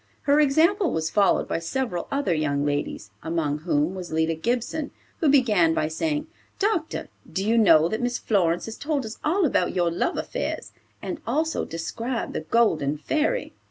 Her example was followed by several other young ladies, among whom was Lida Gibson, who began by saying, "Doctor, do you know that Miss Florence has told us all about your love affairs, and also described the Golden Fairy?